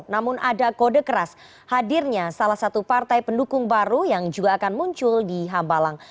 namun ada kode keras hadirnya salah satu partai pendukung baru yang juga akan muncul di hambalang